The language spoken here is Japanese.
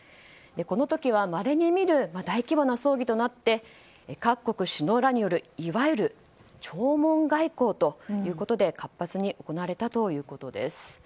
この時はまれに見る大規模な葬儀となって各国首脳らによるいわゆる弔問外交ということで活発に行われたということです。